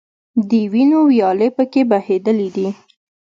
د وینو ویالې په کې بهیدلي دي.